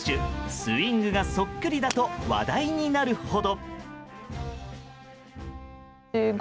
スイングがそっくりだと話題になるほど。